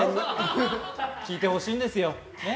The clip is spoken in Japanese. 聞いてほしいんですよ。